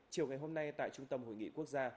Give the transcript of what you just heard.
chiều ngày hôm nay tại trung tâm hội nghị quốc gia